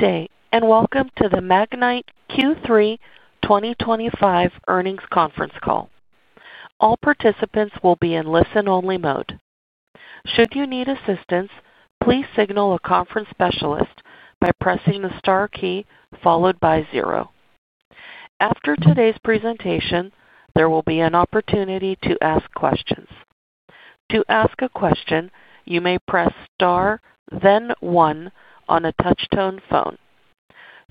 Good day, and welcome to the Magnite Q3 2025 earnings conference call. All participants will be in listen-only mode. Should you need assistance, please signal a conference specialist by pressing the star key followed by zero. After today's presentation, there will be an opportunity to ask questions. To ask a question, you may press star, then one on a touch-tone phone.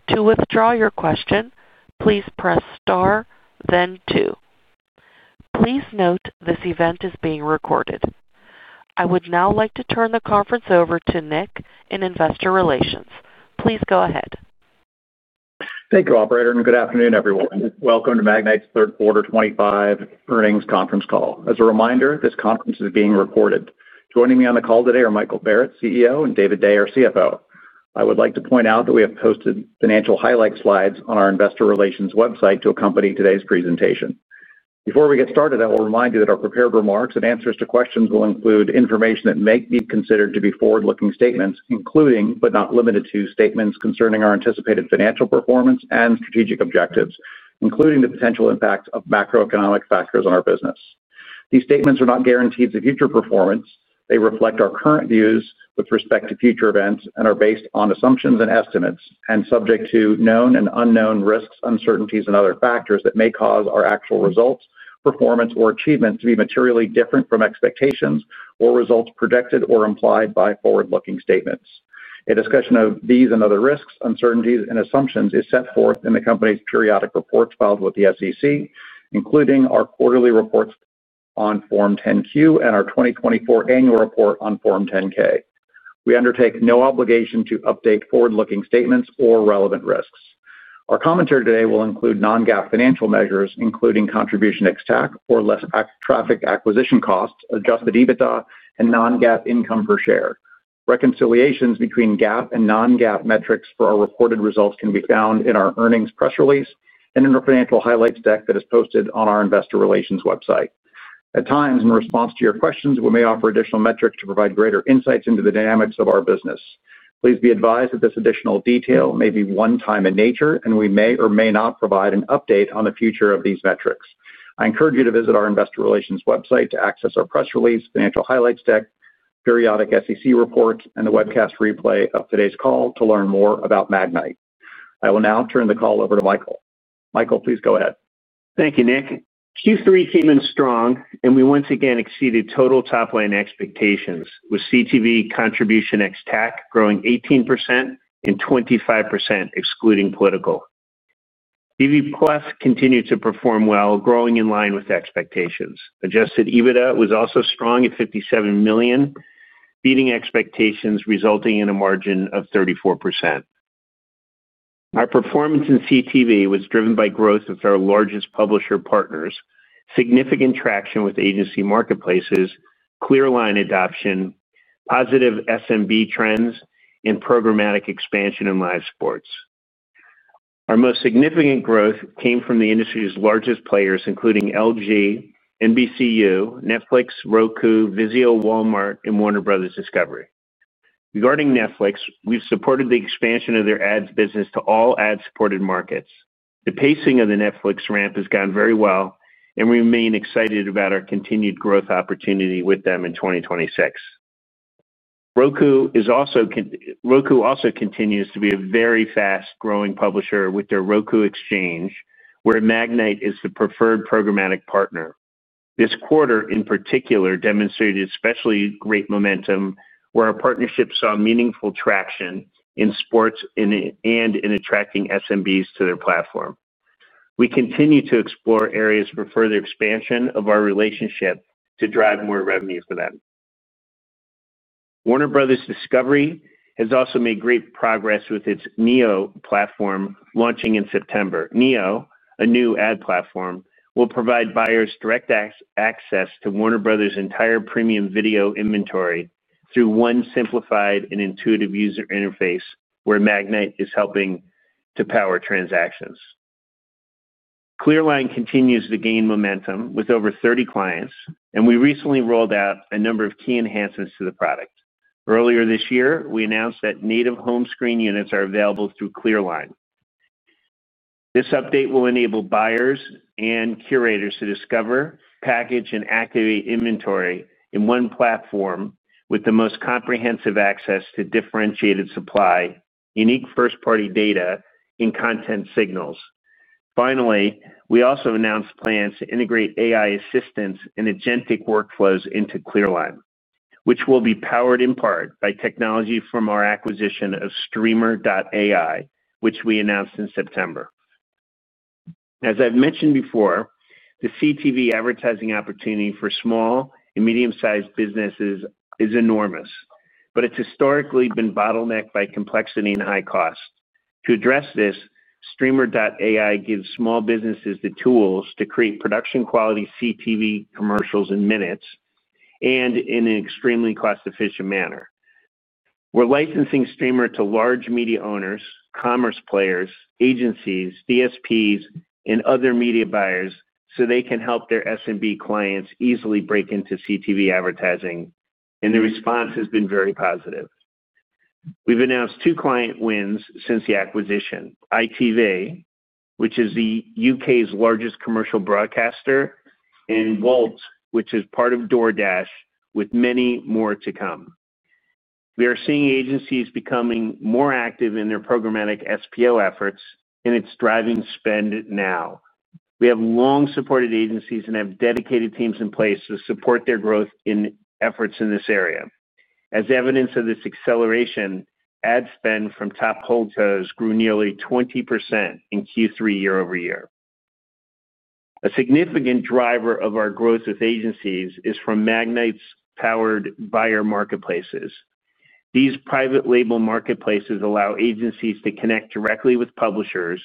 To withdraw your question, please press star, then two. Please note this event is being recorded. I would now like to turn the conference over to Nick in Investor Relations. Please go ahead. Thank you, Operator, and good afternoon, everyone. Welcome to Magnite's third quarter 2025 earnings conference call. As a reminder, this conference is being recorded. Joining me on the call today are Michael Barrett, CEO, and David Day, our CFO. I would like to point out that we have posted financial highlight slides on our investor relations website to accompany today's presentation. Before we get started, I will remind you that our prepared remarks and answers to questions will include information that may be considered to be forward-looking statements, including, but not limited to, statements concerning our anticipated financial performance and strategic objectives, including the potential impact of macroeconomic factors on our business. These statements are not guaranteed for future performance. They reflect our current views with respect to future events and are based on assumptions and estimates and subject to known and unknown risks, uncertainties, and other factors that may cause our actual results, performance, or achievements to be materially different from expectations or results projected or implied by forward-looking statements. A discussion of these and other risks, uncertainties, and assumptions is set forth in the company's periodic reports filed with the SEC, including our quarterly reports on Form 10-Q and our 2024 annual report on Form 10-K. We undertake no obligation to update forward-looking statements or relevant risks. Our commentary today will include non-GAAP financial measures, including contribution ex TAC or less traffic acquisition costs, adjusted EBITDA, and non-GAAP income per share. Reconciliations between GAAP and non-GAAP metrics for our reported results can be found in our earnings press release and in our financial highlights deck that is posted on our investor relations website. At times, in response to your questions, we may offer additional metrics to provide greater insights into the dynamics of our business. Please be advised that this additional detail may be one-time in nature, and we may or may not provide an update on the future of these metrics. I encourage you to visit our investor relations website to access our press release, financial highlights deck, periodic SEC reports, and the webcast replay of today's call to learn more about Magnite. I will now turn the call over to Michael. Michael, please go ahead. Thank you, Nick. Q3 came in strong, and we once again exceeded total top-line expectations, with CTV contribution ex TAC growing 18% and 25%, excluding political. DV+ continued to perform well, growing in line with expectations. Adjusted EBITDA was also strong at $57 million, beating expectations, resulting in a margin of 34%. Our performance in CTV was driven by growth with our largest publisher partners, significant traction with agency marketplaces, Clear Line adoption, positive SMB trends, and programmatic expansion in live sports. Our most significant growth came from the industry's largest players, including LG, NBCU, Netflix, Roku, Vizio, Walmart, and Warner Bros. Discovery. Regarding Netflix, we've supported the expansion of their ads business to all ad-supported markets. The pacing of the Netflix ramp has gone very well, and we remain excited about our continued growth opportunity with them in 2026. Roku also continues to be a very fast-growing publisher with their Roku Exchange, where Magnite is the preferred programmatic partner. This quarter, in particular, demonstrated especially great momentum, where our partnership saw meaningful traction in sports and in attracting SMBs to their platform. We continue to explore areas for further expansion of our relationship to drive more revenue for them. Warner Bros. Discovery has also made great progress with its Neo platform launching in September. Neo, a new ad platform, will provide buyers direct access to Warner Bros.' entire premium video inventory through one simplified and intuitive user interface, where Magnite is helping to power transactions. Clear Line continues to gain momentum with over 30 clients, and we recently rolled out a number of key enhancements to the product. Earlier this year, we announced that native home screen units are available through Clear Line. This update will enable buyers and curators to discover, package, and activate inventory in one platform with the most comprehensive access to differentiated supply, unique first-party data, and content signals. Finally, we also announced plans to integrate AI assistance and agentic workflows into Clear Line, which will be powered in part by technology from our acquisition of Streamer.ai, which we announced in September. As I've mentioned before, the CTV advertising opportunity for small and medium-sized businesses is enormous, but it's historically been bottlenecked by complexity and high cost. To address this, Streamer.ai gives small businesses the tools to create production-quality CTV commercials in minutes and in an extremely cost-efficient manner. We're licensing Streamer to large media owners, commerce players, agencies, DSPs, and other media buyers so they can help their SMB clients easily break into CTV advertising, and the response has been very positive. We've announced two client wins since the acquisition: ITV, which is the U.K.'s largest commercial broadcaster, and Wolt, which is part of DoorDash, with many more to come. We are seeing agencies becoming more active in their programmatic SPO efforts, and it's driving spend now. We have long supported agencies and have dedicated teams in place to support their growth in efforts in this area. As evidence of this acceleration, ad spend from top holdcos grew nearly 20% in Q3 year-over-year. A significant driver of our growth with agencies is from Magnite's powered buyer marketplaces. These private-label marketplaces allow agencies to connect directly with publishers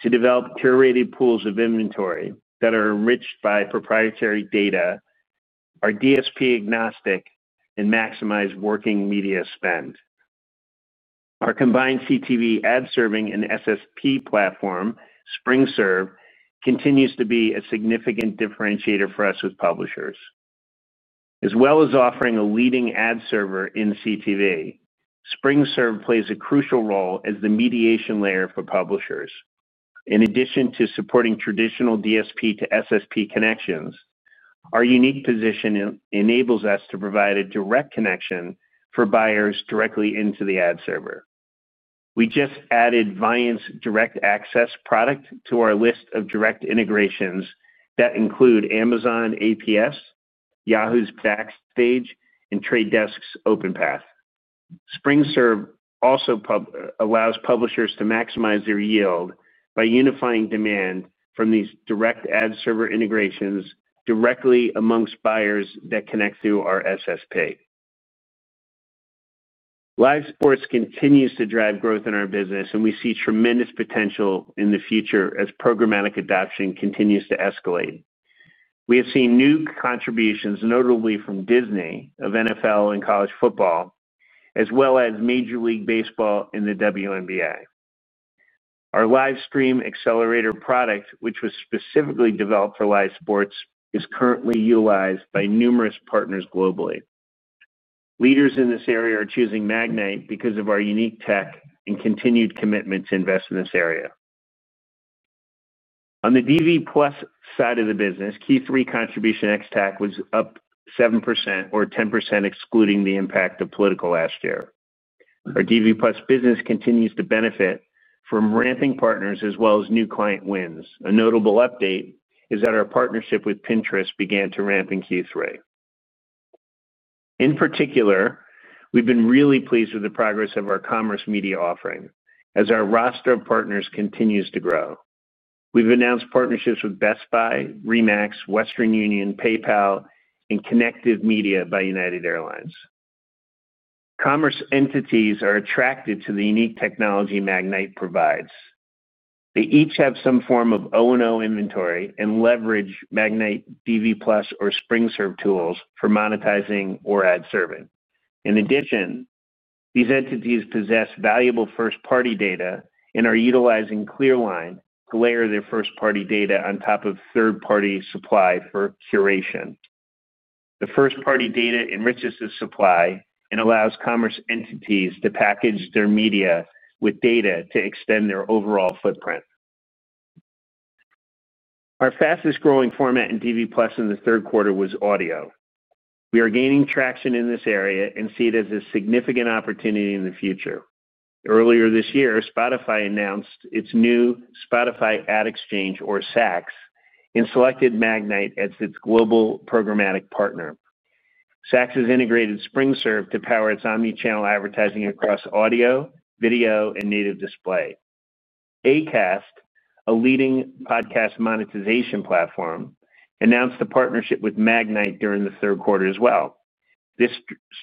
to develop curated pools of inventory that are enriched by proprietary data, are DSP-agnostic, and maximize working media spend. Our combined CTV ad-serving and SSP platform, SpringServe, continues to be a significant differentiator for us with publishers. As well as offering a leading ad server in CTV, SpringServe plays a crucial role as the mediation layer for publishers. In addition to supporting traditional DSP to SSP connections, our unique position enables us to provide a direct connection for buyers directly into the ad server. We just added Vyant's direct access product to our list of direct integrations that include Amazon APS, Yahoo's Backstage, and Trade Desk's OpenPath. SpringServe also allows publishers to maximize their yield by unifying demand from these direct ad server integrations directly amongst buyers that connect through our SSP. Live sports continues to drive growth in our business, and we see tremendous potential in the future as programmatic adoption continues to escalate. We have seen new contributions, notably from Disney, of NFL and college football, as well as Major League Baseball and the WNBA. Our Live Stream Accelerator product, which was specifically developed for live sports, is currently utilized by numerous partners globally. Leaders in this area are choosing Magnite because of our unique tech and continued commitment to invest in this area. On the DV+ side of the business, Q3 contribution ex TAC was up 7% or 10%, excluding the impact of political last year. Our DV+ business continues to benefit from ramping partners as well as new client wins. A notable update is that our partnership with Pinterest began to ramp in Q3. In particular, we've been really pleased with the progress of our commerce media offering as our roster of partners continues to grow. We've announced partnerships with Best Buy, RE/MAX, Western Union, PayPal, and Connected Media by United Airlines. Commerce entities are attracted to the unique technology Magnite provides. They each have some form of O&O inventory and leverage Magnite DV+ or SpringServe tools for monetizing or ad serving. In addition, these entities possess valuable first-party data and are utilizing Clear Line to layer their first-party data on top of third-party supply for curation. The first-party data enriches the supply and allows commerce entities to package their media with data to extend their overall footprint. Our fastest-growing format in DV+ in the third quarter was audio. We are gaining traction in this area and see it as a significant opportunity in the future. Earlier this year, Spotify announced its new Spotify Ad Exchange, or SAX, and selected Magnite as its global programmatic partner. SAX has integrated SpringServe to power its omnichannel advertising across audio, video, and native display. ACAST, a leading podcast monetization platform, announced a partnership with Magnite during the third quarter as well. This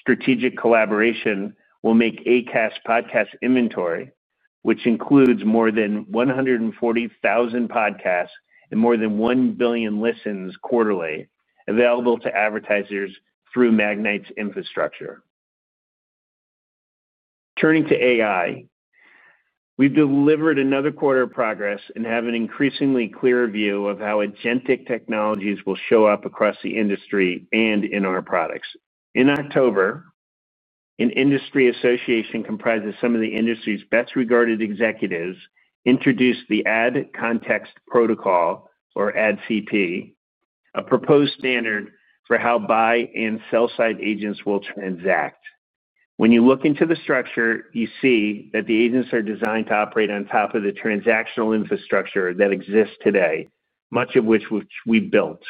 strategic collaboration will make ACAST podcast inventory, which includes more than 140,000 podcasts and more than 1 billion listens quarterly, available to advertisers through Magnite's infrastructure. Turning to AI. We've delivered another quarter of progress and have an increasingly clear view of how agentic technologies will show up across the industry and in our products. In October, an industry association comprised of some of the industry's best-regarded executives introduced the Ad Context Protocol, or ADCP, a proposed standard for how buy and sell-side agents will transact. When you look into the structure, you see that the agents are designed to operate on top of the transactional infrastructure that exists today, much of which we built.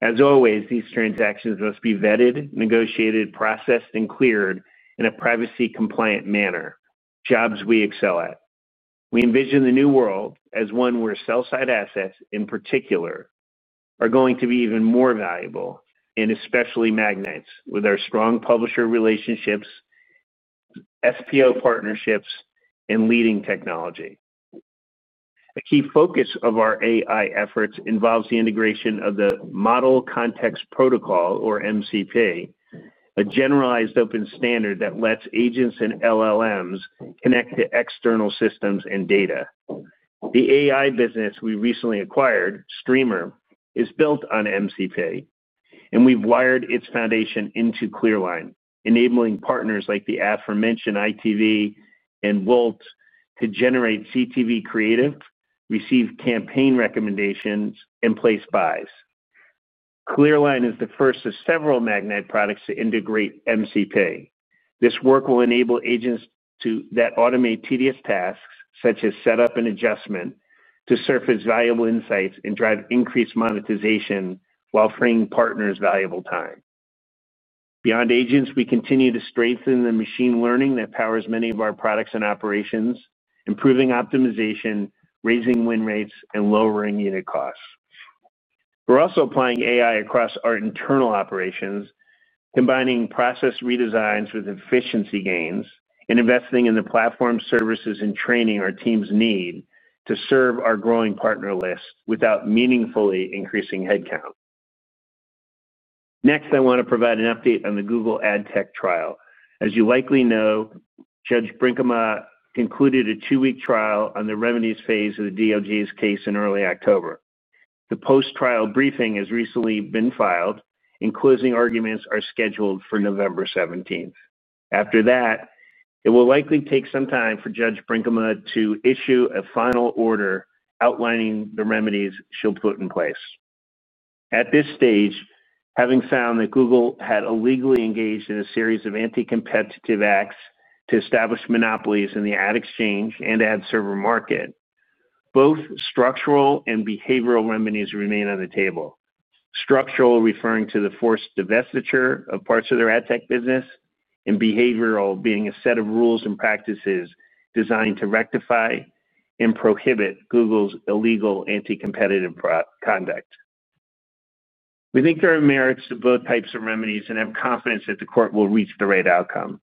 As always, these transactions must be vetted, negotiated, processed, and cleared in a privacy-compliant manner, jobs we excel at. We envision the new world as one where sell-side assets, in particular. Are going to be even more valuable, and especially Magnite, with our strong publisher relationships, SPO partnerships, and leading technology. A key focus of our AI efforts involves the integration of the Model Context Protocol, or MCP, a generalized open standard that lets agents and LLMs connect to external systems and data. The AI business we recently acquired, Streamer, is built on MCP, and we've wired its foundation into Clear Line, enabling partners like the aforementioned ITV and Wolt to generate CTV creative, receive campaign recommendations, and place buys. Clear Line is the first of several Magnite products to integrate MCP. This work will enable agents that automate tedious tasks, such as setup and adjustment, to surface valuable insights and drive increased monetization while freeing partners valuable time. Beyond agents, we continue to strengthen the machine learning that powers many of our products and operations, improving optimization, raising win rates, and lowering unit costs. We're also applying AI across our internal operations, combining process redesigns with efficiency gains, and investing in the platform, services, and training our teams need to serve our growing partner list without meaningfully increasing headcount. Next, I want to provide an update on the Google Ad Tech trial. As you likely know, Judge Brinkema concluded a two-week trial on the revenues phase of the DOJ's case in early October. The post-trial briefing has recently been filed, and closing arguments are scheduled for November 17th. After that, it will likely take some time for Judge Brinkema to issue a final order outlining the remedies she'll put in place. At this stage, having found that Google had illegally engaged in a series of anti-competitive acts to establish monopolies in the ad exchange and ad server market. Both structural and behavioral remedies remain on the table. Structural referring to the forced divestiture of parts of their ad tech business, and behavioral being a set of rules and practices designed to rectify and prohibit Google's illegal anti-competitive conduct. We think there are merits to both types of remedies and have confidence that the court will reach the right outcome.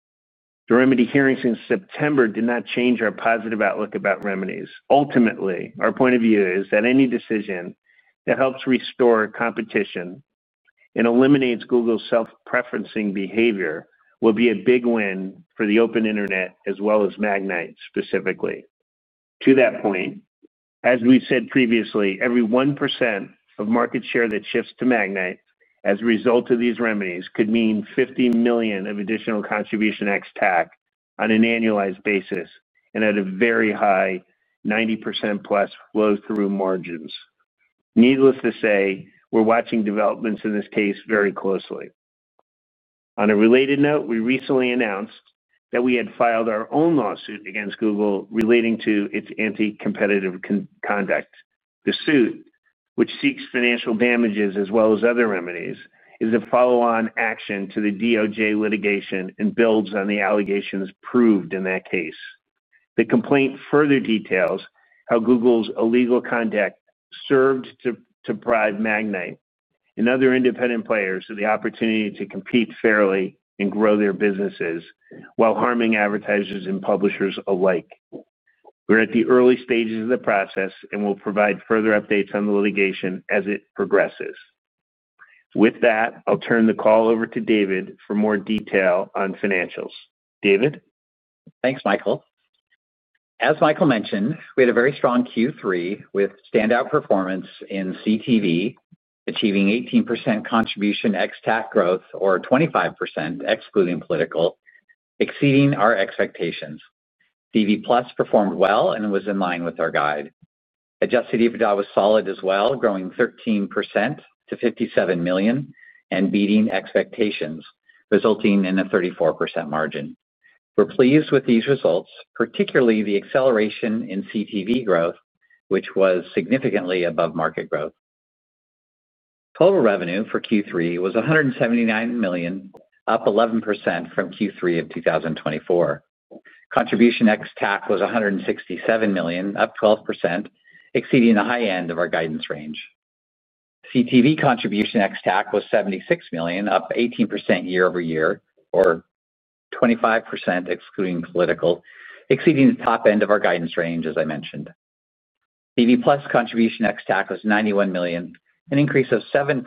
The remedy hearings in September did not change our positive outlook about remedies. Ultimately, our point of view is that any decision that helps restore competition and eliminates Google's self-preferencing behavior will be a big win for the open internet as well as Magnite specifically. To that point. As we said previously, every 1% of market share that shifts to Magnite as a result of these remedies could mean $50 million of additional contribution ex TAC on an annualized basis and at a very high 90% plus flow-through margins. Needless to say, we're watching developments in this case very closely. On a related note, we recently announced that we had filed our own lawsuit against Google relating to its anti-competitive conduct. The suit, which seeks financial damages as well as other remedies, is a follow-on action to the DOJ litigation and builds on the allegations proved in that case. The complaint further details how Google's illegal conduct served to deprive Magnite and other independent players of the opportunity to compete fairly and grow their businesses while harming advertisers and publishers alike. We're at the early stages of the process and will provide further updates on the litigation as it progresses. With that, I'll turn the call over to David for more detail on financials. David? Thanks, Michael. As Michael mentioned, we had a very strong Q3 with standout performance in CTV, achieving 18% contribution ex TAC growth or 25% excluding political, exceeding our expectations. DV+ performed well and was in line with our guide. Adjusted EBITDA was solid as well, growing 13% to $57 million and beating expectations, resulting in a 34% margin. We're pleased with these results, particularly the acceleration in CTV growth, which was significantly above market growth. Total revenue for Q3 was $179 million, up 11% from Q3 of 2024. Contribution ex TAC was $167 million, up 12%, exceeding the high end of our guidance range. CTV contribution ex TAC was $76 million, up 18% year-over-year or. 25% excluding political, exceeding the top end of our guidance range, as I mentioned. DV+ contribution ex TAC was $91 million, an increase of 7%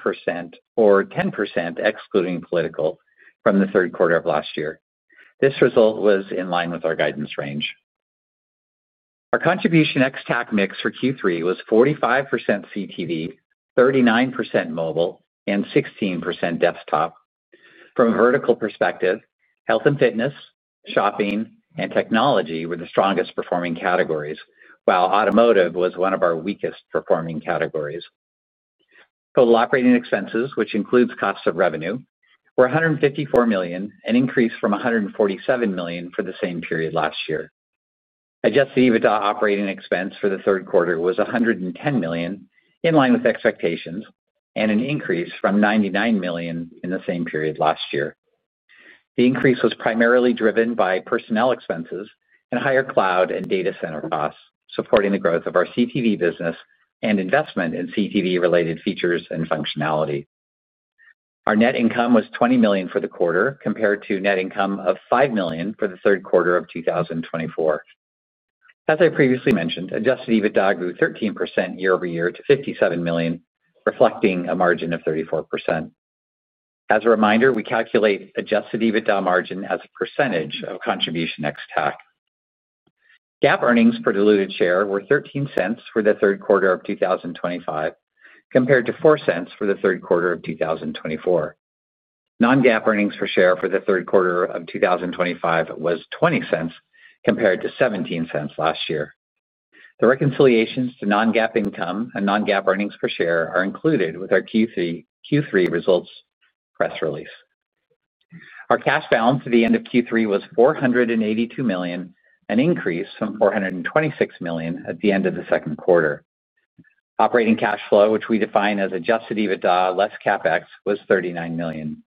or 10% excluding political from the third quarter of last year. This result was in line with our guidance range. Our contribution ex TAC mix for Q3 was 45% CTV, 39% mobile, and 16% desktop. From a vertical perspective, health and fitness, shopping, and technology were the strongest-performing categories, while automotive was one of our weakest-performing categories. Total operating expenses, which includes cost of revenue, were $154 million, an increase from $147 million for the same period last year. Adjusted EBITDA operating expense for the third quarter was $110 million, in line with expectations, and an increase from $99 million in the same period last year. The increase was primarily driven by personnel expenses and higher cloud and data center costs, supporting the growth of our CTV business and investment in CTV-related features and functionality. Our net income was $20 million for the quarter, compared to net income of $5 million for the third quarter of 2024. As I previously mentioned, adjusted EBITDA grew 13% year-over-year to $57 million, reflecting a margin of 34%. As a reminder, we calculate adjusted EBITDA margin as a percentage of contribution ex TAC. GAAP earnings per diluted share were $0.13 for the third quarter of 2025, compared to $0.04 for the third quarter of 2024. Non-GAAP earnings per share for the third quarter of 2025 was $0.20, compared to $0.17 last year. The reconciliations to non-GAAP income and non-GAAP earnings per share are included with our Q3 results press release. Our cash balance at the end of Q3 was $482 million, an increase from $426 million at the end of the second quarter. Operating cash flow, which we define as adjusted EBITDA less CapEx, was $39 million.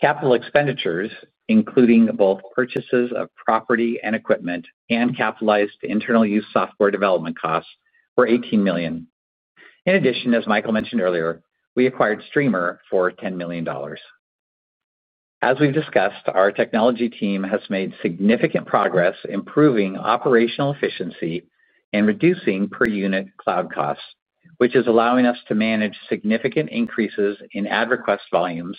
Capital expenditures, including both purchases of property and equipment and capitalized internal use software development costs, were $18 million. In addition, as Michael mentioned earlier, we acquired Streamer.ai for $10 million. As we've discussed, our technology team has made significant progress improving operational efficiency and reducing per-unit cloud costs, which is allowing us to manage significant increases in ad request volumes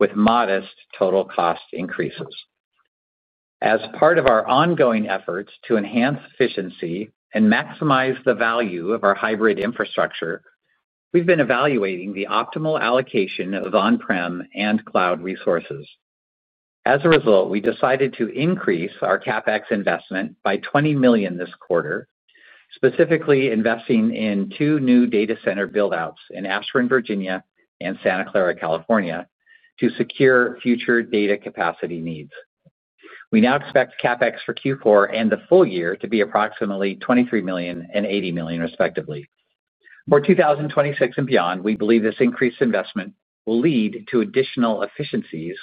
with modest total cost increases. As part of our ongoing efforts to enhance efficiency and maximize the value of our hybrid infrastructure, we've been evaluating the optimal allocation of on-prem and cloud resources. As a result, we decided to increase our CapEx investment by $20 million this quarter, specifically investing in two new data center buildouts in Ashburn, Virginia, and Santa Clara, California, to secure future data capacity needs. We now expect CapEx for Q4 and the full year to be approximately $23 million and $80 million, respectively. For 2026 and beyond, we believe this increased investment will lead to additional efficiencies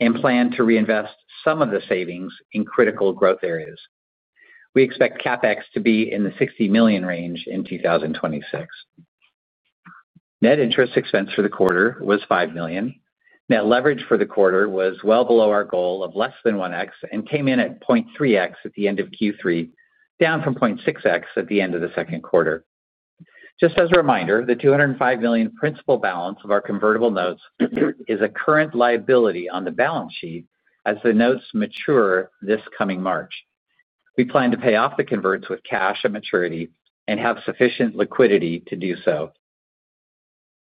and plan to reinvest some of the savings in critical growth areas. We expect CapEx to be in the $60 million range in 2026. Net interest expense for the quarter was $5 million. Net leverage for the quarter was well below our goal of less than 1X and came in at 0.3X at the end of Q3, down from 0.6X at the end of the second quarter. Just as a reminder, the $205 million principal balance of our convertible notes is a current liability on the balance sheet as the notes mature this coming March. We plan to pay off the converts with cash at maturity and have sufficient liquidity to do so.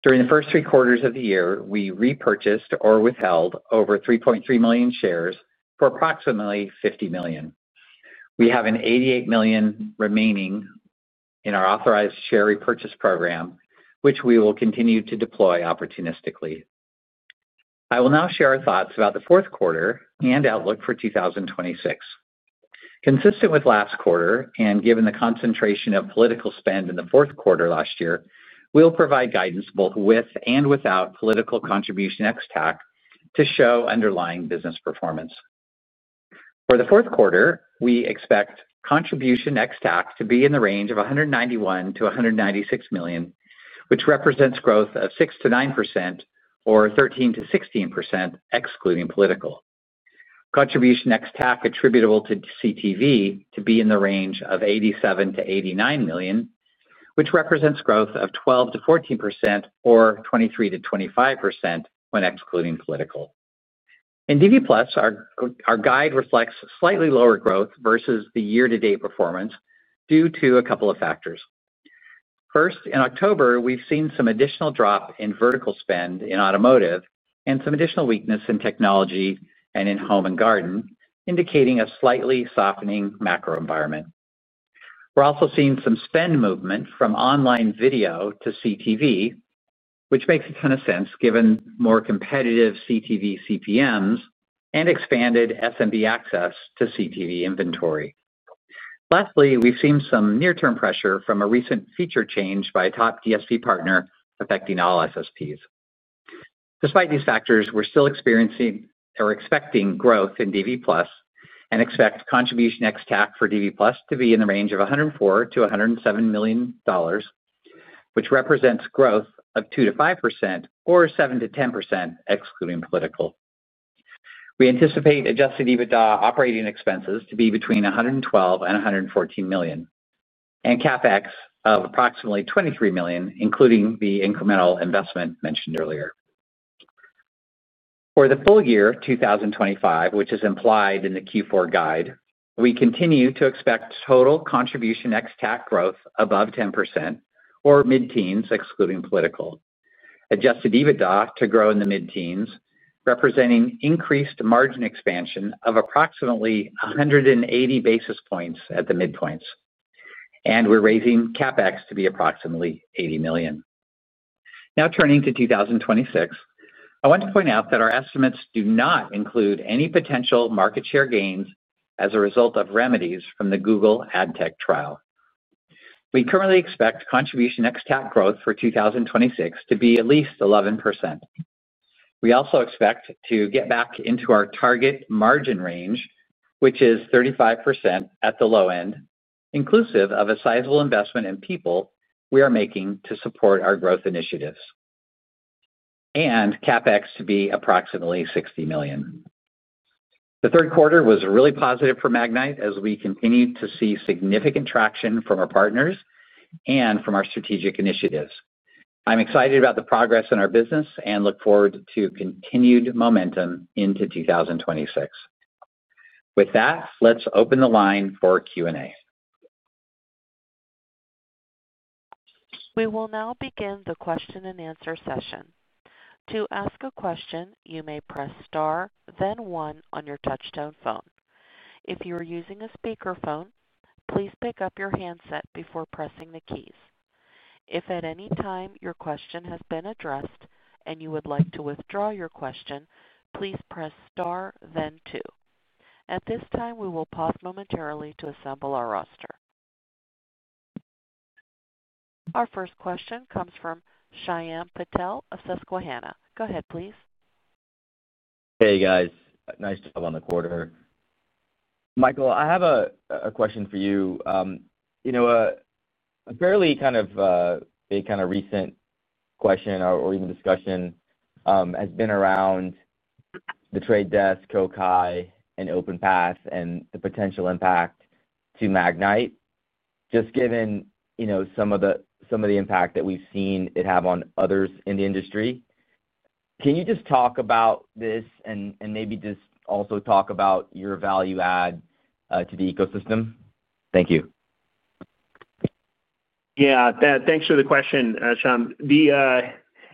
During the first three quarters of the year, we repurchased or withheld over 3.3 million shares for approximately $50 million. We have $88 million remaining in our authorized share repurchase program, which we will continue to deploy opportunistically. I will now share our thoughts about the fourth quarter and outlook for 2026. Consistent with last quarter and given the concentration of political spend in the fourth quarter last year, we will provide guidance both with and without political contribution ex TAC to show underlying business performance. For the fourth quarter, we expect contribution ex TAC to be in the range of $191 million-$196 million, which represents growth of 6%-9% or 13%-16% excluding political. Contribution ex TAC attributable to CTV to be in the range of $87 million-$89 million, which represents growth of 12%-14% or 23%-25% when excluding political. In DV+, our guide reflects slightly lower growth versus the year-to-date performance due to a couple of factors. First, in October, we've seen some additional drop in vertical spend in automotive and some additional weakness in technology and in home and garden, indicating a slightly softening macro environment. We're also seeing some spend movement from online video to CTV, which makes a ton of sense given more competitive CTV CPMs and expanded SMB access to CTV inventory. Lastly, we've seen some near-term pressure from a recent feature change by a top DSP partner affecting all SSPs. Despite these factors, we're still expecting growth in DV+ and expect contribution ex TAC for DV+ to be in the range of $104-$107 million, which represents growth of 2%-5% or 7%-10% excluding political. We anticipate adjusted EBITDA operating expenses to be between $112-$114 million and CapEx of approximately $23 million, including the incremental investment mentioned earlier. For the full year 2025, which is implied in the Q4 guide, we continue to expect total contribution ex TAC growth above 10% or mid-teens excluding political. Adjusted EBITDA to grow in the mid-teens, representing increased margin expansion of approximately 180 basis points at the mid-points, and we're raising CapEx to be approximately $80 million. Now turning to 2026, I want to point out that our estimates do not include any potential market share gains as a result of remedies from the Google Ad Tech trial. We currently expect contribution ex TAC growth for 2026 to be at least 11%. We also expect to get back into our target margin range, which is 35% at the low end, inclusive of a sizable investment in people we are making to support our growth initiatives. CapEx to be approximately $60 million. The third quarter was really positive for Magnite as we continued to see significant traction from our partners and from our strategic initiatives. I'm excited about the progress in our business and look forward to continued momentum into 2026. With that, let's open the line for Q&A. We will now begin the question and answer session. To ask a question, you may press star, then one on your touch-tone phone. If you are using a speakerphone, please pick up your handset before pressing the keys. If at any time your question has been addressed and you would like to withdraw your question, please press star, then two. At this time, we will pause momentarily to assemble our roster. Our first question comes from Shyam Patil of Susquehanna. Go ahead, please. Hey, guys. Nice job on the quarter. Michael, I have a question for you. A fairly kind of recent question or even discussion has been around The Trade Desk, CoKai, and OpenPath, and the potential impact to Magnite, just given some of the impact that we've seen it have on others in the industry. Can you just talk about this and maybe just also talk about your value add to the ecosystem? Thank you. Yeah. Thanks for the question, Shyam.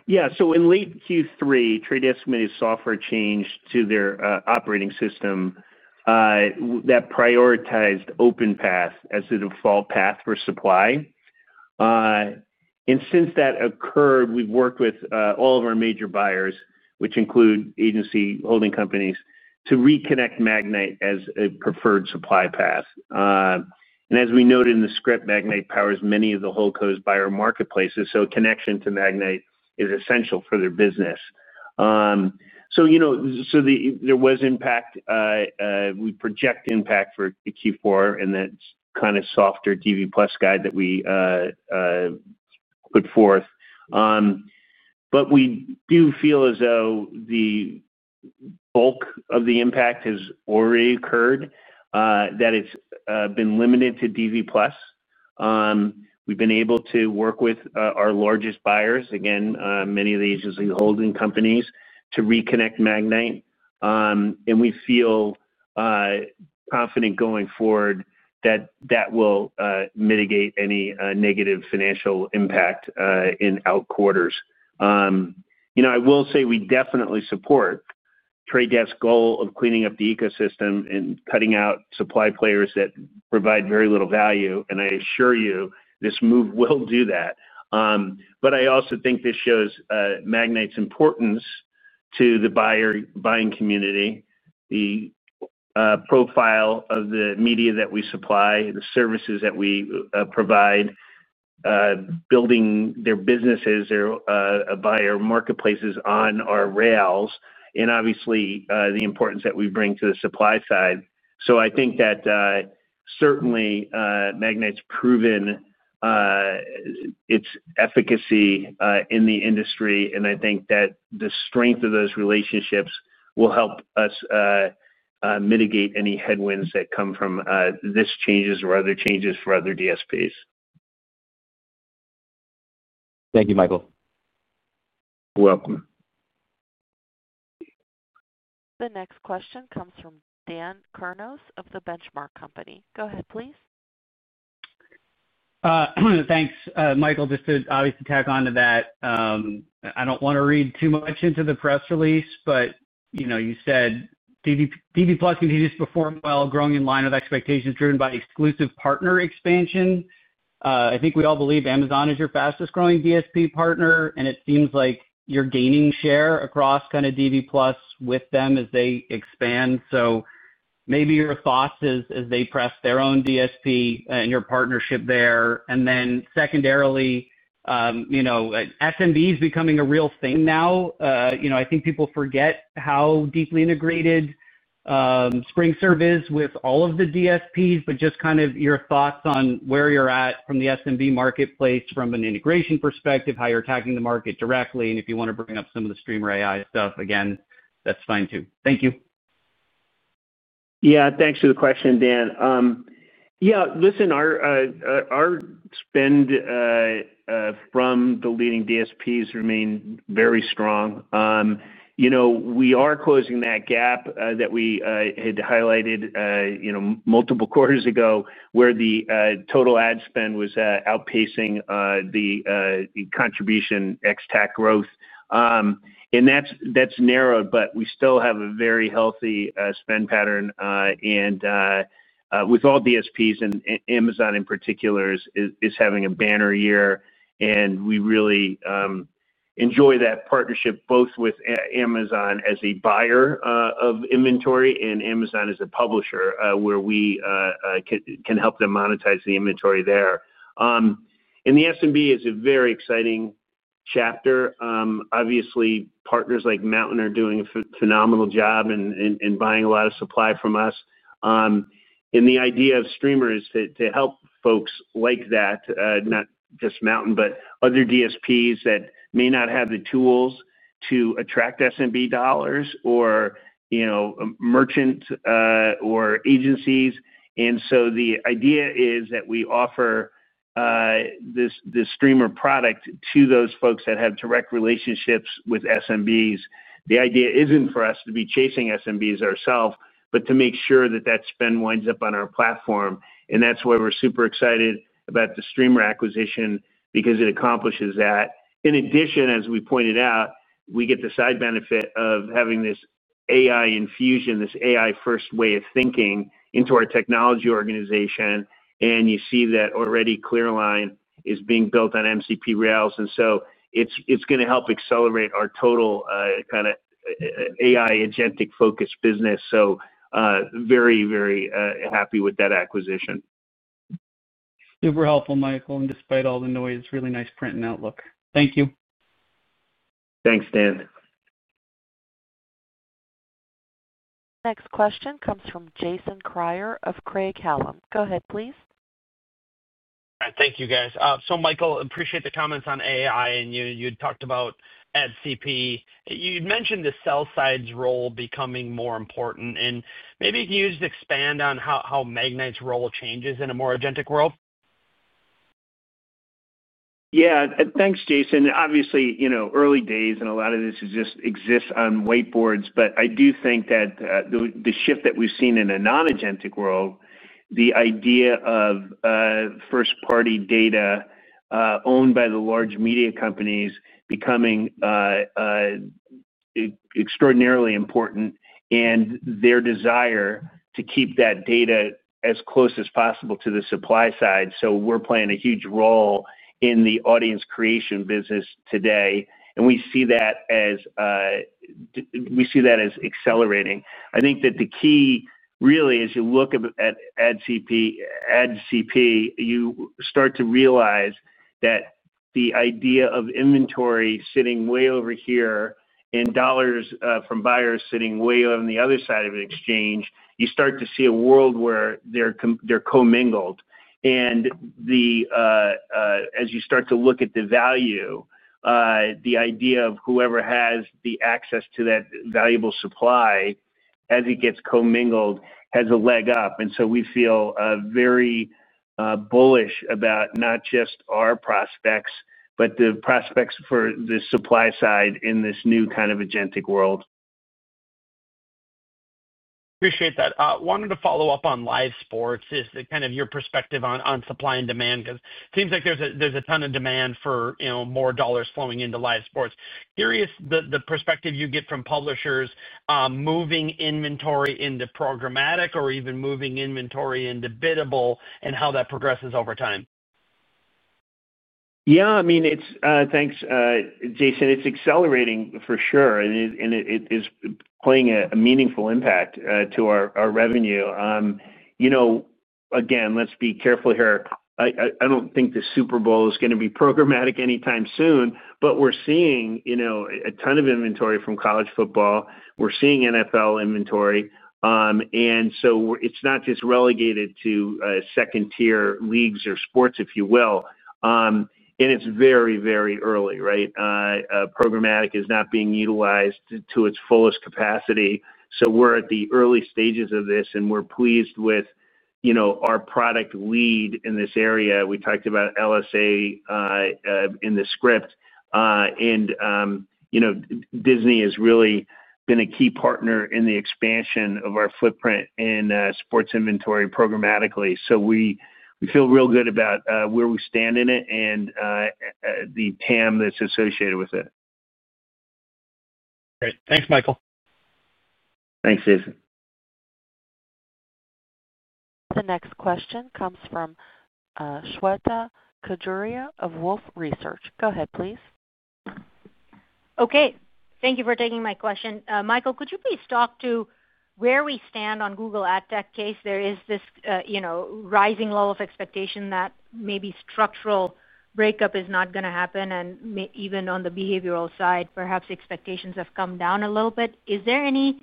Yeah. In late Q3, Trade Desk made a software change to their operating system that prioritized OpenPath as the default path for supply. Since that occurred, we've worked with all of our major buyers, which include agency holding companies, to reconnect Magnite as a preferred supply path. As we noted in the script, Magnite powers many of the holdcos' buyer marketplaces, so a connection to Magnite is essential for their business. There was impact. We project impact for Q4 in that kind of softer DV+ guide that we put forth. We do feel as though the bulk of the impact has already occurred, that it's been limited to DV+. We've been able to work with our largest buyers, again, many of the agency holding companies, to reconnect Magnite. We feel. Confident going forward that that will mitigate any negative financial impact in out quarters. I will say we definitely support The Trade Desk's goal of cleaning up the ecosystem and cutting out supply players that provide very little value. I assure you, this move will do that. I also think this shows Magnite's importance to the buying community, the profile of the media that we supply, the services that we provide, building their businesses, their buyer marketplaces on our rails, and obviously the importance that we bring to the supply side. I think that certainly Magnite's proven its efficacy in the industry, and I think that the strength of those relationships will help us mitigate any headwinds that come from this changes or other changes for other DSPs. Thank you, Michael. You're welcome. The next question comes from Dan Kurnos of the Benchmark Company. Go ahead, please. Thanks, Michael. Just to obviously tack on to that. I do not want to read too much into the press release, but you said DV+ continues to perform well, growing in line with expectations driven by exclusive partner expansion. I think we all believe Amazon is your fastest growing DSP partner, and it seems like you are gaining share across kind of DV+ with them as they expand. Maybe your thoughts as they press their own DSP and your partnership there. Secondarily, SMB is becoming a real thing now. I think people forget how deeply integrated SpringServe is with all of the DSPs, but just kind of your thoughts on where you are at from the SMB marketplace from an integration perspective, how you are attacking the market directly. If you want to bring up some of the Streamer.ai stuff again, that is fine too. Thank you. Yeah. Thanks for the question, Dan. Yeah. Listen. Our spend from the leading DSPs remains very strong. We are closing that gap that we had highlighted multiple quarters ago where the total ad spend was outpacing the contribution ex TAC growth. That has narrowed, but we still have a very healthy spend pattern. With all DSPs, and Amazon in particular is having a banner year. We really enjoy that partnership both with Amazon as a buyer of inventory and Amazon as a publisher where we can help them monetize the inventory there. The SMB is a very exciting chapter. Obviously, partners like MNTN are doing a phenomenal job and buying a lot of supply from us. The idea of Streamer is to help folks like that, not just MNTN, but other DSPs that may not have the tools to attract SMB dollars or merchants or agencies. The idea is that we offer this Streamer product to those folks that have direct relationships with SMBs. The idea is not for us to be chasing SMBs ourselves, but to make sure that that spend winds up on our platform. That is why we are super excited about the Streamer acquisition because it accomplishes that. In addition, as we pointed out, we get the side benefit of having this AI infusion, this AI-first way of thinking into our technology organization. You see that already Clear Line is being built on MCP rails. It is going to help accelerate our total kind of AI agentic focus business. Very, very happy with that acquisition. Super helpful, Michael. Despite all the noise, really nice print and outlook. Thank you. Thanks, Dan. Next question comes from Jason Kreyer of Craig-Hallum. Go ahead, please. All right. Thank you, guys. Michael, appreciate the comments on AI. You had talked about ADCP. You'd mentioned the sell-side's role becoming more important. Maybe you can expand on how Magnite's role changes in a more agentic world. Yeah, thanks, Jason. Obviously, early days and a lot of this just exists on whiteboards. I do think that the shift that we've seen in a non-agentic world, the idea of first-party data owned by the large media companies becoming extraordinarily important and their desire to keep that data as close as possible to the supply side. We're playing a huge role in the audience creation business today, and we see that as accelerating. I think that the key really, as you look at. Ad Context Protocol, you start to realize that the idea of inventory sitting way over here and dollars from buyers sitting way on the other side of an exchange, you start to see a world where they're commingled. As you start to look at the value, the idea of whoever has the access to that valuable supply as it gets commingled has a leg up. We feel very bullish about not just our prospects, but the prospects for the supply side in this new kind of agentic world. Appreciate that. Wanted to follow up on live sports. Is kind of your perspective on supply and demand? Because it seems like there's a ton of demand for more dollars flowing into live sports. Curious the perspective you get from publishers moving inventory into programmatic or even moving inventory into biddable and how that progresses over time. Yeah. I mean, thanks, Jason. It's accelerating for sure. And it is playing a meaningful impact to our revenue. Again, let's be careful here. I don't think the Super Bowl is going to be programmatic anytime soon, but we're seeing a ton of inventory from college football. We're seeing NFL inventory. It's not just relegated to second-tier leagues or sports, if you will. It's very, very early, right? Programmatic is not being utilized to its fullest capacity. We're at the early stages of this, and we're pleased with our product lead in this area. We talked about LSA in the script. Disney has really been a key partner in the expansion of our footprint in sports inventory programmatically. We feel real good about where we stand in it and the TAM that's associated with it. Great. Thanks, Michael. Thanks, Jason. The next question comes from Shweta Khajuria of Wolfe Research Thank you for taking my question. Michael, could you please talk to where we stand on Google Ad Tech case? There is this rising lull of expectation that maybe structural breakup is not going to happen. Even on the behavioral side, perhaps expectations have come down a little bit. Is there any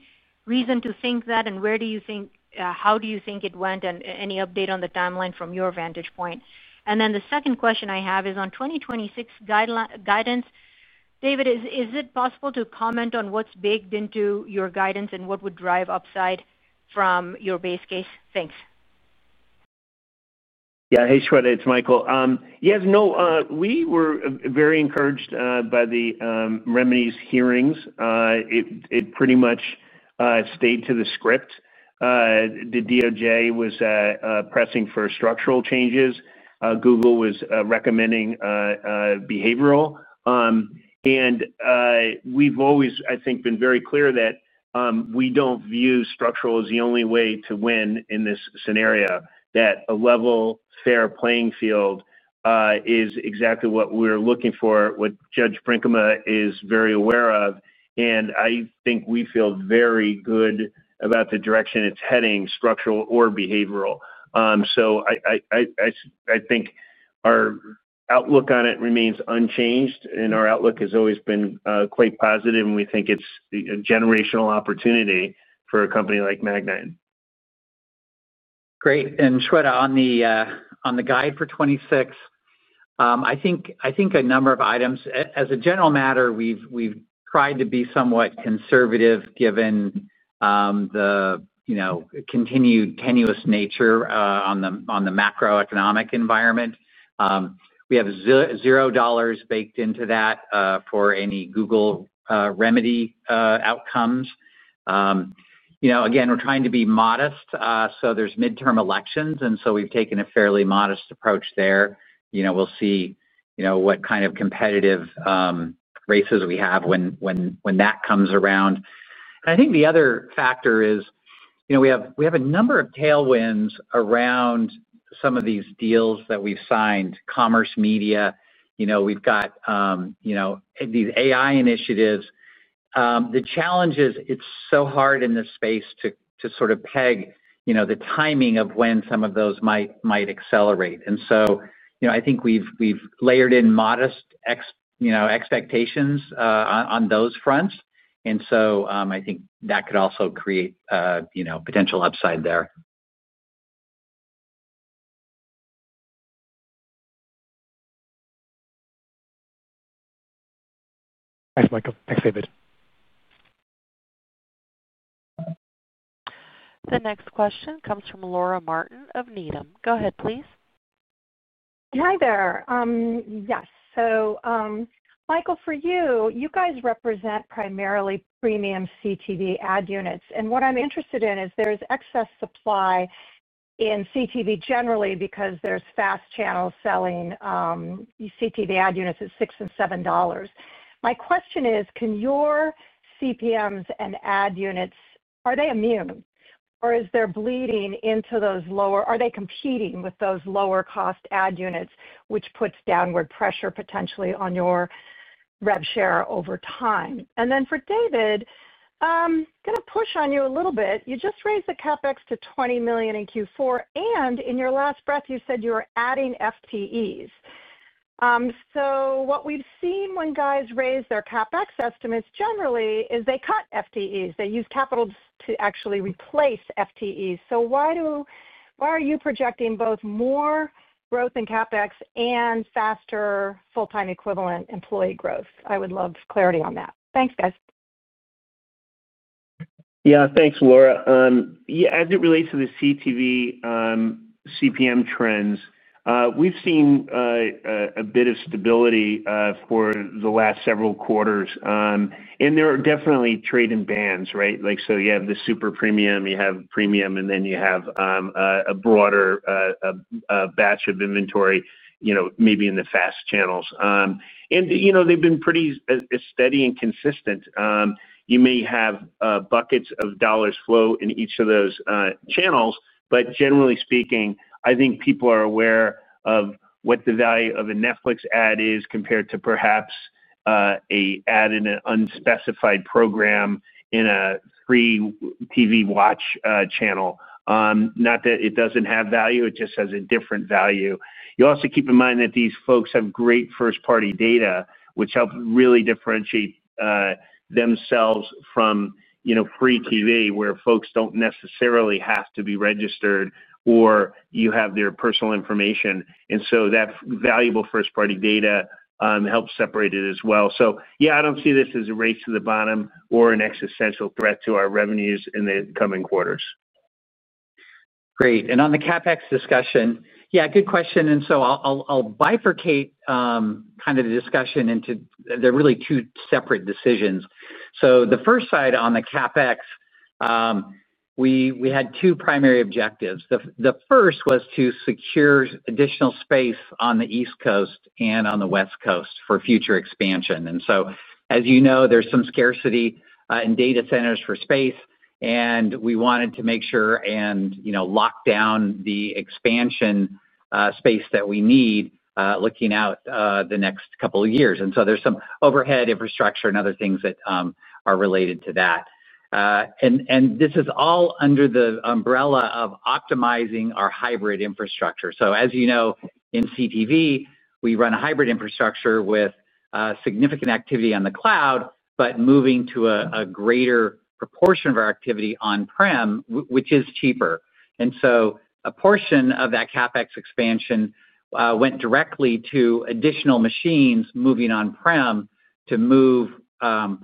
reason to think that? Where do you think, how do you think it went? Any update on the timeline from your vantage point? The second question I have is on 2026 guidance. David, is it possible to comment on what's baked into your guidance and what would drive upside from your base case? Thanks. Yeah. Hey, Shweta. It's Michael. Yeah. No. We were very encouraged by the remedies hearings. It pretty much stayed to the script. The DOJ was pressing for structural changes. Google was recommending behavioral. And we've always, I think, been very clear that we don't view structural as the only way to win in this scenario, that a level, fair playing field is exactly what we're looking for, what Judge Brinkema is very aware of. I think we feel very good about the direction it's heading, structural or behavioral. I think our outlook on it remains unchanged. Our outlook has always been quite positive. We think it's a generational opportunity for a company like Magnite. Great. Shweta, on the guide for 2026, I think a number of items as a general matter, we've tried to be somewhat conservative given the continuous nature on the macroeconomic environment. We have $0 baked into that for any Google remedy outcomes. Again, we're trying to be modest. There's midterm elections. We've taken a fairly modest approach there. We'll see what kind of competitive races we have when that comes around. I think the other factor is we have a number of tailwinds around some of these deals that we've signed, commerce, media. We've got these AI initiatives. The challenge is it's so hard in this space to sort of peg the timing of when some of those might accelerate. I think we've layered in modest expectations on those fronts. I think that could also create potential upside there. Thanks, Michael.Thanks, David. The next question comes from Laura Martin of Needham. Go ahead, please. Hi there. Yes. Michael, for you, you guys represent primarily premium CTV ad units. What I'm interested in is there's excess supply in CTV generally because there's fast channel selling CTV ad units at $6 and $7. My question is, can your CPMs and ad units, are they immune? Or is there bleeding into those lower, are they competing with those lower-cost ad units, which puts downward pressure potentially on your rev share over time? And then for David. I'm going to push on you a little bit. You just raised the CapEx to $20 million in Q4. And in your last breath, you said you were adding FTEs. What we've seen when guys raise their CapEx estimates generally is they cut FTEs. They use capital to actually replace FTEs. Why are you projecting both more growth in CapEx and faster full-time equivalent employee growth? I would love clarity on that. Thanks, guys. Yeah. Thanks, Laura. As it relates to the CTV CPM trends, we've seen a bit of stability for the last several quarters. And there are definitely trade-in bands, right? You have the super premium, you have premium, and then you have a broader batch of inventory maybe in the fast channels. They have been pretty steady and consistent. You may have buckets of dollars flow in each of those channels. Generally speaking, I think people are aware of what the value of a Netflix ad is compared to perhaps an unspecified program in a free TV watch channel. Not that it does not have value. It just has a different value. You also keep in mind that these folks have great first-party data, which helps really differentiate themselves from free TV where folks do not necessarily have to be registered or you have their personal information. That valuable first-party data helps separate it as well. Yeah, I do not see this as a race to the bottom or an existential threat to our revenues in the coming quarters. Great. On the CapEx discussion, yeah, good question. I will bifurcate kind of the discussion into there are really two separate decisions. The first side on the CapEx. We had two primary objectives. The first was to secure additional space on the East Coast and on the West Coast for future expansion. As you know, there is some scarcity in data centers for space. We wanted to make sure and lock down the expansion space that we need looking out the next couple of years. There is some overhead infrastructure and other things that are related to that. This is all under the umbrella of optimizing our hybrid infrastructure. As you know, in CTV, we run a hybrid infrastructure with significant activity on the cloud, but moving to a greater proportion of our activity on-prem, which is cheaper. A portion of that CapEx expansion went directly to additional machines moving on-prem to move volume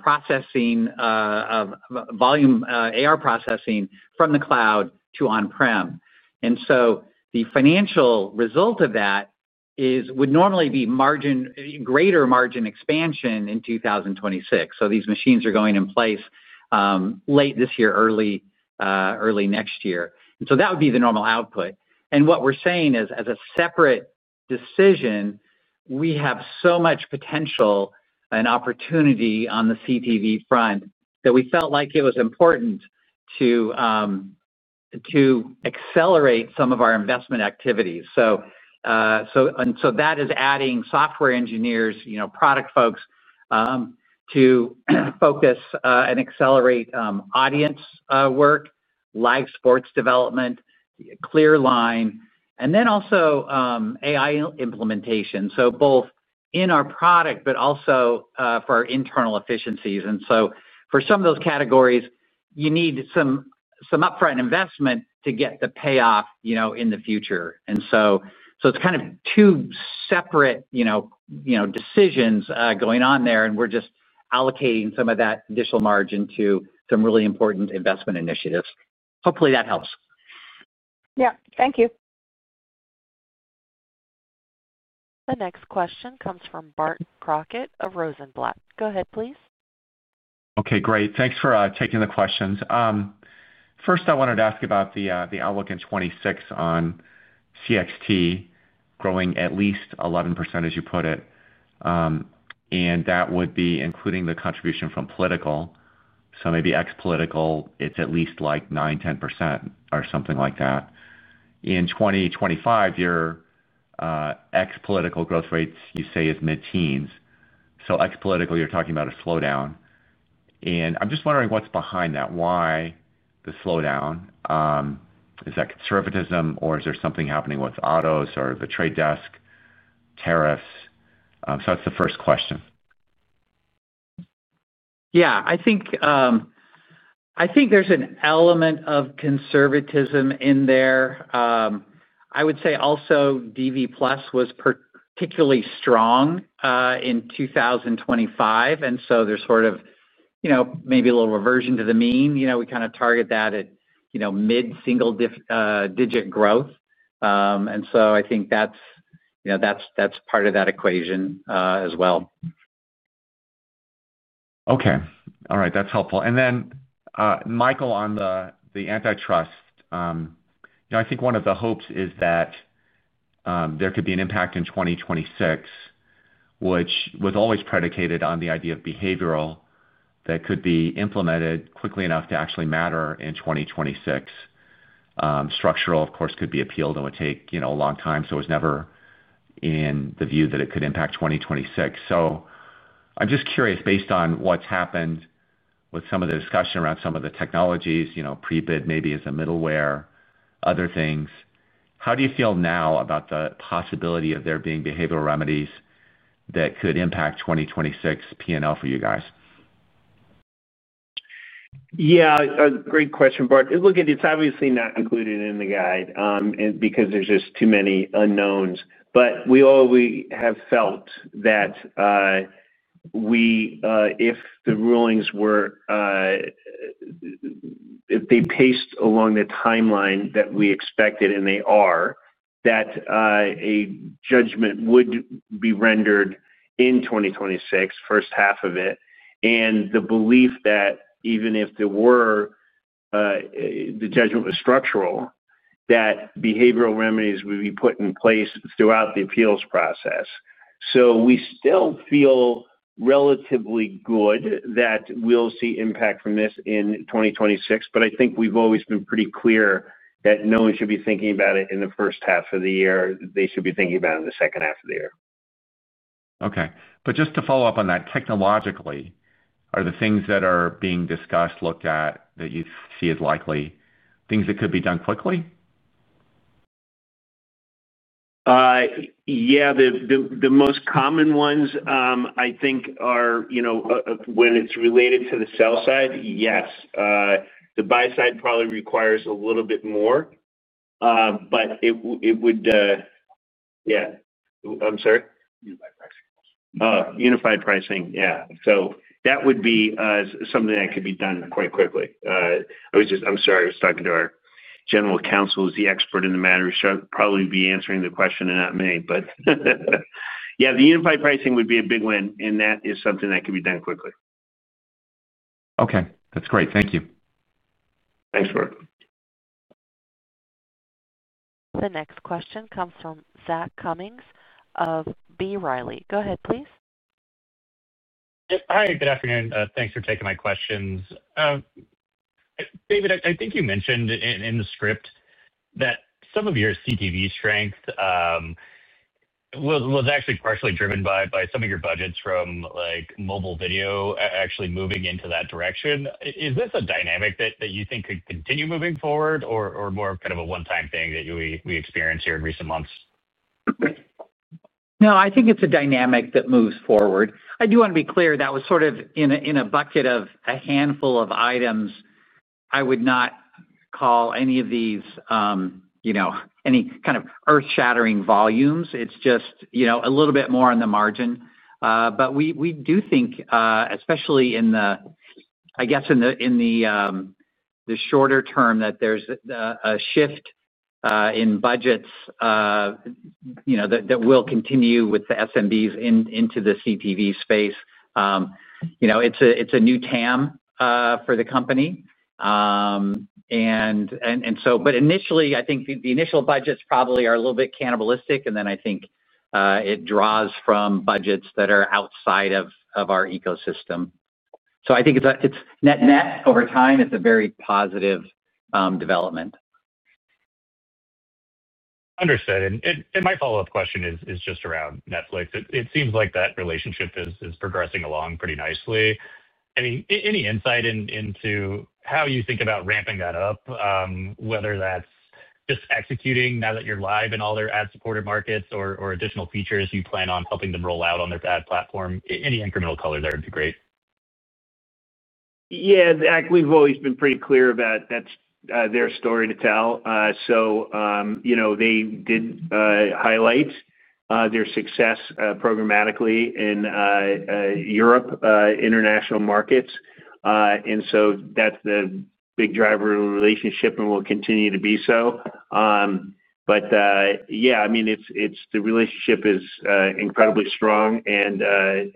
AR processing from the cloud to on-prem. The financial result of that would normally be greater margin expansion in 2026. These machines are going in place late this year, early next year. That would be the normal output. What we are saying is, as a separate decision, we have so much potential and opportunity on the CTV front that we felt like it was important to accelerate some of our investment activities. That is adding software engineers, product folks to focus and accelerate audience work, live sports development, Clear Line, and then also AI implementation. Both in our product, but also for our internal efficiencies. For some of those categories, you need some upfront investment to get the payoff in the future. It is kind of two separate decisions going on there. We are just allocating some of that additional margin to some really important investment initiatives. Hopefully, that helps. Thank you. The next question comes from Bart Crockett of Rosenblatt. Go ahead, please. Great. Thanks for taking the questions. First, I wanted to ask about the outlook in 2026 on CTV growing at least 11%, as you put it. That would be including the contribution from political. Maybe ex-political, it is at least like 9-10% or something like that. In 2025, your ex-political growth rates, you say, is mid-teens. Ex-political, you are talking about a slowdown. I am just wondering what is behind that. Why the slowdown? Is that conservatism, or is there something happening with autos or The Trade Desk tariffs? That is the first question. Yeah. I think there is an element of conservatism in there. I would say also DV+ was particularly strong in 2025, and so there is sort of maybe a little reversion to the mean. We kind of target that at mid-single-digit growth, and I think that is part of that equation as well. Okay. All right. That is helpful. Then, Michael, on the antitrust, I think one of the hopes is that there could be an impact in 2026, which was always predicated on the idea of behavioral that could be implemented quickly enough to actually matter in 2026. Structural, of course, could be appealed and would take a long time. It was never in the view that it could impact 2026. I'm just curious, based on what's happened with some of the discussion around some of the technologies, pre-bid maybe as a middleware, other things, how do you feel now about the possibility of there being behavioral remedies that could impact 2026 P&L for you guys? Yeah. Great question, Bart. Look at it. It's obviously not included in the guide because there's just too many unknowns. We always have felt that if the rulings were, if they paced along the timeline that we expected and they are, that a judgment would be rendered in 2026, first half of it. The belief that even if the judgment was structural, that behavioral remedies would be put in place throughout the appeals process. We still feel relatively good that we'll see impact from this in 2026. I think we've always been pretty clear that no one should be thinking about it in the first half of the year. They should be thinking about it in the second half of the year. Okay. Just to follow up on that, technologically, are the things that are being discussed, looked at that you see as likely, things that could be done quickly? Yeah. The most common ones, I think, are. When it's related to the sell side, yes. The buy side probably requires a little bit more. But it would. Yeah. I'm sorry? Unified pricing. Unified pricing, yeah. That would be something that could be done quite quickly. I'm sorry. I was talking to our general counsel who's the expert in the matter, who should probably be answering the question and not me. Yeah, the unified pricing would be a big win. That is something that could be done quickly. Okay. That's great. Thank you. Thanks, Bart. The next question comes from Zach Cummins of B. Riley. Go ahead, please. Hi. Good afternoon. Thanks for taking my questions. David, I think you mentioned in the script that some of your CTV strength was actually partially driven by some of your budgets from mobile video actually moving into that direction. Is this a dynamic that you think could continue moving forward or more of kind of a one-time thing that we experience here in recent months? No, I think it's a dynamic that moves forward. I do want to be clear. That was sort of in a bucket of a handful of items. I would not call any of these any kind of earth-shattering volumes. It's just a little bit more on the margin. We do think, especially in the. I guess, in the shorter term, that there's a shift in budgets that will continue with the SMBs into the CTV space. It's a new TAM for the company. Initially, I think the initial budgets probably are a little bit cannibalistic. I think it draws from budgets that are outside of our ecosystem. I think net-net over time, it's a very positive development. Understood. My follow-up question is just around Netflix. It seems like that relationship is progressing along pretty nicely. I mean, any insight into how you think about ramping that up, whether that's just executing now that you're live in all their ad-supported markets or additional features you plan on helping them roll out on their ad platform? Any incremental color there would be great. Yeah. We've always been pretty clear about their story to tell. They did highlight. Their success programmatically in Europe, international markets. That is the big driver. Relationship and will continue to be so. Yeah, I mean, the relationship is incredibly strong, and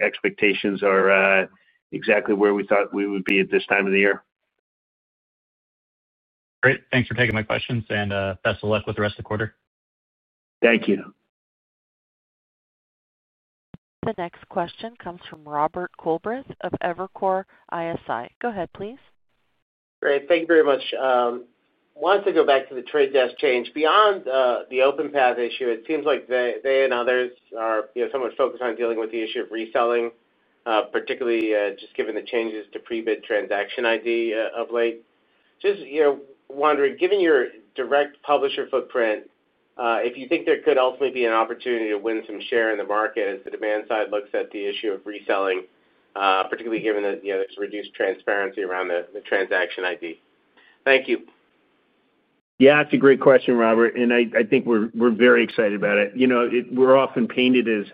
expectations are exactly where we thought we would be at this time of the year. Great. Thanks for taking my questions, and best of luck with the rest of the quarter. Thank you. The next question comes from Robert Coolbrith of Evercore ISI. Go ahead, please. Great. Thank you very much. I wanted to go back to The Trade Desk change. Beyond the OpenPath issue, it seems like they and others are somewhat focused on dealing with the issue of reselling, particularly just given the changes to Prebid transaction ID of late. Just wondering, given your direct publisher footprint, if you think there could ultimately be an opportunity to win some share in the market as the demand side looks at the issue of reselling, particularly given that there's reduced transparency around the transaction ID? Thank you. Yeah. That's a great question, Robert. I think we're very excited about it. We're often painted as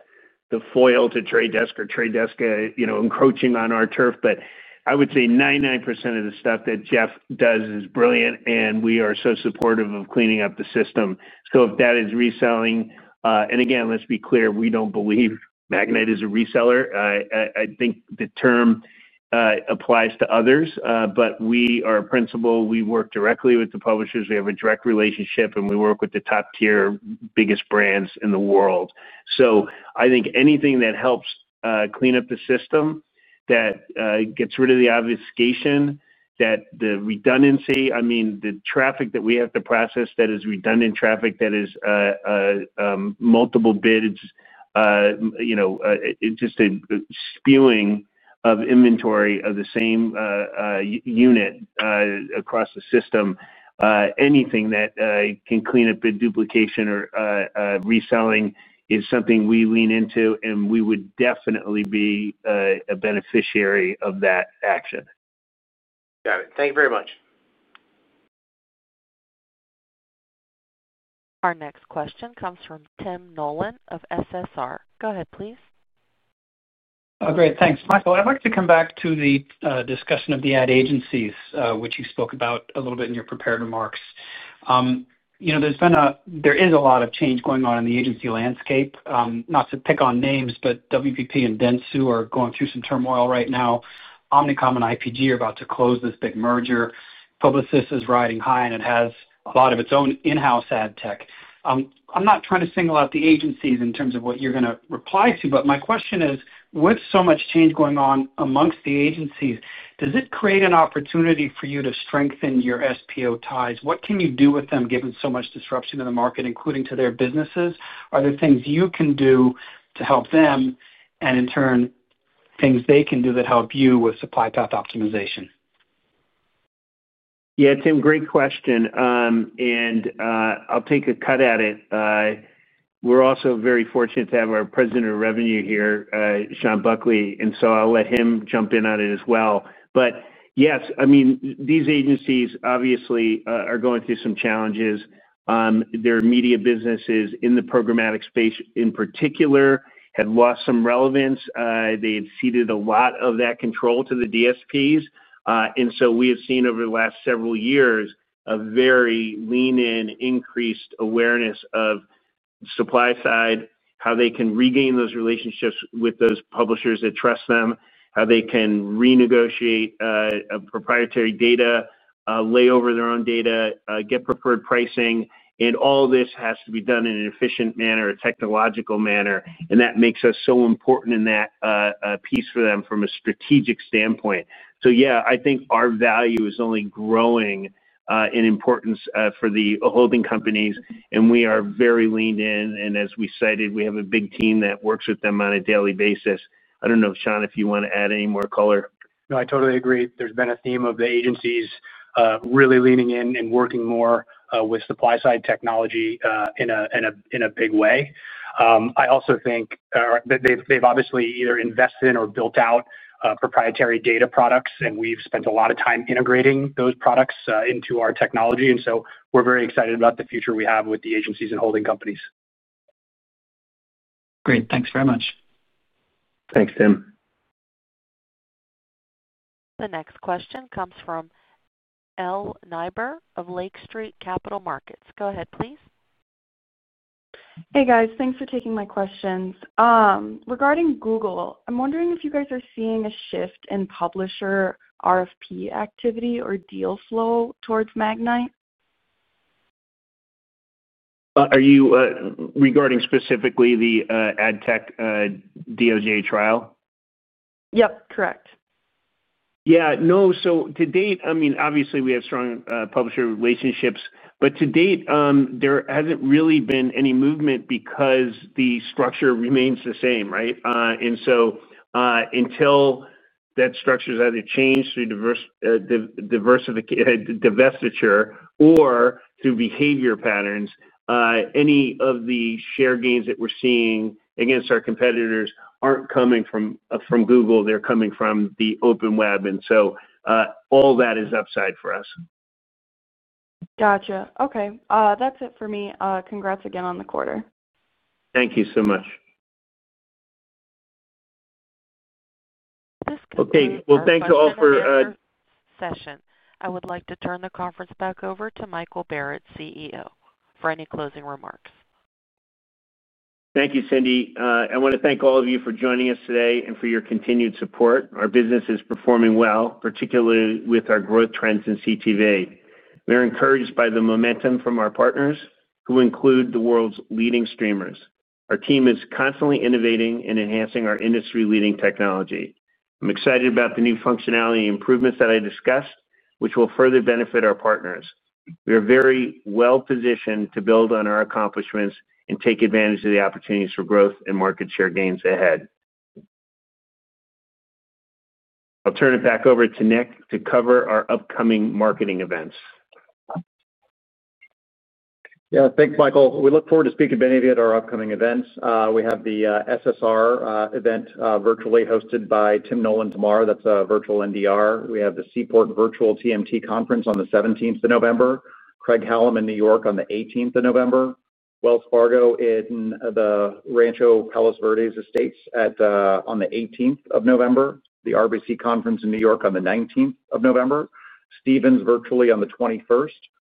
the foil to The Trade Desk or The Trade Desk encroaching on our turf. I would say 99% of the stuff that Jeff does is brilliant, and we are so supportive of cleaning up the system. If that is reselling, and again, let's be clear, we don't believe Magnite is a reseller. I think the term applies to others. We are a principal. We work directly with the publishers. We have a direct relationship, and we work with the top-tier, biggest brands in the world. I think anything that helps clean up the system, that gets rid of the obfuscation, the redundancy, I mean, the traffic that we have to process that is redundant traffic, that is multiple bids, just a spewing of inventory of the same unit across the system, anything that can clean up bid duplication or reselling is something we lean into, and we would definitely be a beneficiary of that action. Got it. Thank you very much. Our next question comes from Tim Nollen of SSR. Go ahead, please. Great. Thanks, Michael. I'd like to come back to the discussion of the ad agencies, which you spoke about a little bit in your prepared remarks. There is a lot of change going on in the agency landscape. Not to pick on names, but WPP and Dentsu are going through some turmoil right now. Omnicom and IPG are about to close this big merger. Publicis is riding high, and it has a lot of its own in-house ad tech. I'm not trying to single out the agencies in terms of what you're going to reply to, but my question is, with so much change going on amongst the agencies, does it create an opportunity for you to strengthen your SPO ties? What can you do with them given so much disruption in the market, including to their businesses? Are there things you can do to help them and, in turn, things they can do that help you with supply path optimization? Yeah, Tim, great question. I'll take a cut at it. We're also very fortunate to have our President of Revenue here, Sean Buckley, and I'll let him jump in on it as well. Yes, I mean, these agencies obviously are going through some challenges. Their media businesses in the programmatic space in particular had lost some relevance. They had ceded a lot of that control to the DSPs. We have seen over the last several years a very lean-in, increased awareness of supply side, how they can regain those relationships with those publishers that trust them, how they can renegotiate proprietary data, lay over their own data, get preferred pricing. All of this has to be done in an efficient manner, a technological manner. That makes us so important in that piece for them from a strategic standpoint. Yeah, I think our value is only growing in importance for the holding companies. We are very leaned in. As we cited, we have a big team that works with them on a daily basis. I don't know, Sean, if you want to add any more color. No, I totally agree. There's been a theme of the agencies really leaning in and working more with supply-side technology in a big way. I also think they've obviously either invested in or built out proprietary data products. And we've spent a lot of time integrating those products into our technology. We are very excited about the future we have with the agencies and holding companies. Great. Thanks very much. Thanks, Tim. The next question comes from L. Nyberg of Lake Street Capital Markets. Go ahead, please. Hey, guys. Thanks for taking my questions. Regarding Google, I'm wondering if you guys are seeing a shift in publisher RFP activity or deal flow towards Magnite. Regarding specifically the ad tech DOJ trial? Yep. Correct. Yeah. No. To date, I mean, obviously, we have strong publisher relationships. To date, there has not really been any movement because the structure remains the same, right? Until that structure has either changed through divestiture or through behavior patterns, any of the share gains that we are seeing against our competitors are not coming from Google. They are coming from the open web. All that is upside for us. Gotcha. Okay. That is it for me. Congrats again on the quarter. Thank you so much. Thank you all for the session. I would like to turn the conference back over to Michael Barrett, CEO, for any closing remarks. Thank you, Cindy. I want to thank all of you for joining us today and for your continued support. Our business is performing well, particularly with our growth trends in CTV. We are encouraged by the momentum from our partners, who include the world's leading streamers. Our team is constantly innovating and enhancing our industry-leading technology. I'm excited about the new functionality improvements that I discussed, which will further benefit our partners. We are very well-positioned to build on our accomplishments and take advantage of the opportunities for growth and market share gains ahead. I'll turn it back over to Nick to cover our upcoming marketing events. Yeah. Thanks, Michael. We look forward to speaking to Benny at our upcoming events. We have the SSR event virtually hosted by Tim Nolan tomorrow. That's a virtual NDR. We have the Seaport Virtual TMT conference on the 17th of November, Craig-Hallum in New York on the 18th of November, Wells Fargo in Rancho Palos Verdes on the 18th of November, the RBC conference in New York on the 19th of November, Stevens virtually on the 21st,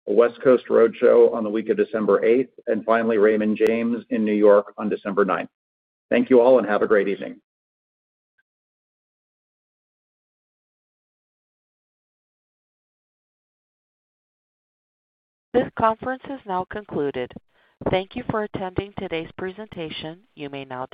a West Coast roadshow on the week of December 8th, and finally, Raymond James in New York on December 9th. Thank you all, and have a great evening. This conference is now concluded. Thank you for attending today's presentation. You may now.